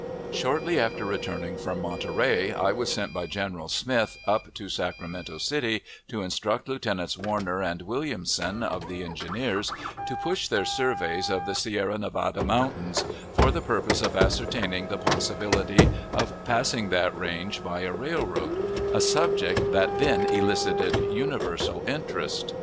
Shortly after returning from Monterey, I was sent by General Smith up to Sacramento City to instruct Lieutenants Warner and Williamson, of the Engineers, to push their surveys of the Sierra Nevada Mountains, for the purpose of ascertaining the possibility of passing that range by a railroad, a subject that then elicited universal interest.